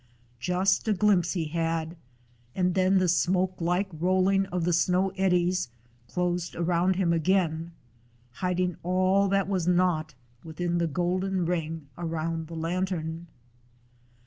Just a glimpse he had, and then the smoke like rolling of the snow eddies closed around him again, hiding all that was not within the golden ring around the lantern.